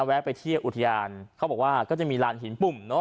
แวะไปเที่ยวอุทยานเขาบอกว่าก็จะมีลานหินปุ่มเนอ